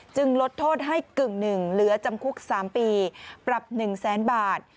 ลดโทษให้กึ่งหนึ่งเหลือจำคุก๓ปีปรับ๑แสนบาท